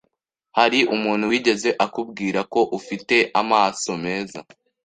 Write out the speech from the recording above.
Hari umuntu wigeze akubwira ko ufite amaso meza?